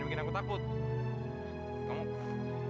terserah mau aku suka mau gak